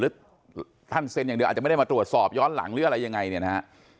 ท่านเซ็นอย่างเดียวอาจจะไม่ได้มาตรวจสอบย้อนหลังหรืออะไรยังไงเนี่ยนะฮะ